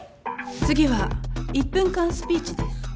次は１分間スピーチです